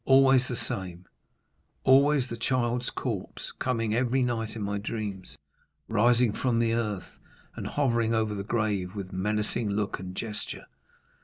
Always the same—always the child's corpse, coming every night in my dreams, rising from the earth, and hovering over the grave with menacing look and gesture.